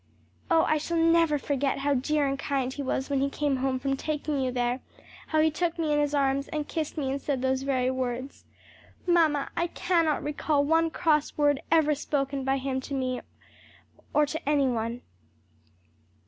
Oh I shall never forget how dear and kind he was when he came home from taking you there! how he took me in his arms and kissed me and said those very words. Mamma, I cannot recall one cross word ever spoken by him to me, or to any one."